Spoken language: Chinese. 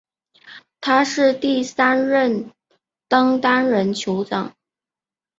他是第三任登丹人酋长。